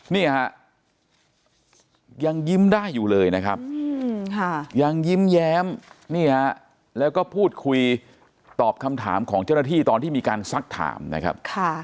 นี่ฮะยังยิ้มได้อยู่เลยนะครับยังยิ้มแย้มนี่ฮะแล้วก็พูดคุยตอบคำถามของเจ้าหน้าที่ตอนที่มีการซักถามนะครับ